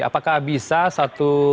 apakah bisa satu